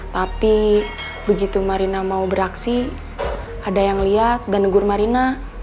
tapi begitu marina mau beraksi ada yang lihat dan negur marina